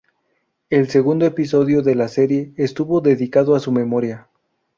El segundo episodio de la serie estuvo dedicado a su memoria.